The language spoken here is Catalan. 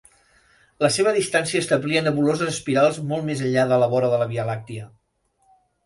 La seva distància establia nebuloses espirals molt més enllà de la vora de la Via Làctia.